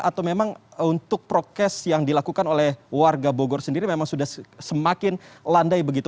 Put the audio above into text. atau memang untuk prokes yang dilakukan oleh warga bogor sendiri memang sudah semakin landai begitu